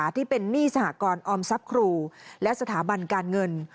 ที่เป็นหนี้สหกรออมทรัพย์ครูและสถาบันการเงิน